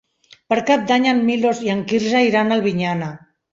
Per Cap d'Any en Milos i en Quirze iran a Albinyana.